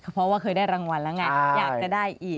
เพราะว่าเคยได้รางวัลแล้วไงอยากจะได้อีก